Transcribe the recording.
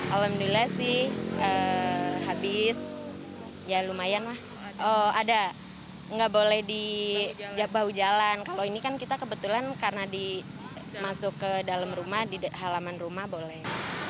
alhamdulillah sih habis ya lumayan lah ada nggak boleh di bahu jalan kalau ini kan kita kebetulan karena dimasuk ke dalam rumah di halaman rumah boleh